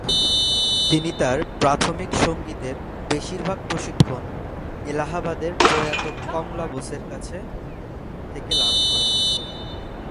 তিনি তার প্রাথমিক সংগীতের বেশিরভাগ প্রশিক্ষণ এলাহাবাদের প্রয়াত কমলা বোসের কাছ থেকে লাভ করেন।